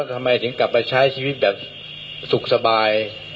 ทำไมถึงกลับมาใช้ชีวิตแบบสุขสบาย